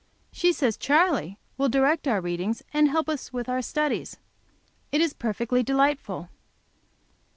She says "Charley" will direct our readings and help us with our studies. It is perfectly delightful.